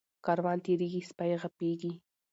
ـ کاروان تېريږي سپي غپيږي.